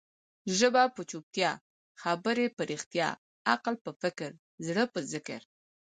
ژبه په چوپتيا، خبري په رښتیا، عقل په فکر، زړه په ذکر.